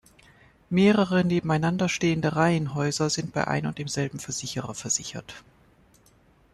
Mehrere nebeneinander stehende Reihenhäuser sind bei ein und demselben Versicherer versichert.